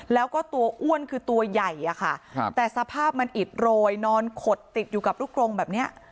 แล้วก็ตัวอ้วนคือตัวใหญ่อะค่ะครับแต่สภาพมันอิดโรยนอนขดติดอยู่กับลูกกรงแบบเนี้ย